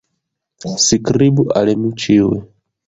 Skribu al mi ĉiuj!